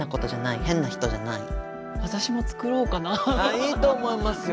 いいと思いますよ